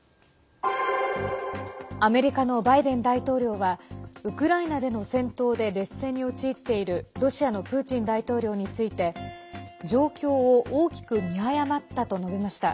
アメリカのバイデン大統領はウクライナでの戦闘で劣勢に陥っているロシアのプーチン大統領について状況を大きく見誤ったと述べました。